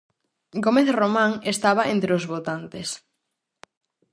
Gómez Román estaba entre os votantes.